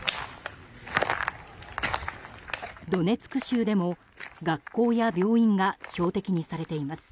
ドネツク州でも、学校や病院が標的にされています。